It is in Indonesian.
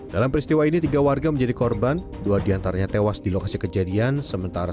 dalam peristiwa ini tiga warga menjadi korban dua diantaranya tewas di lokasi kejadian sementara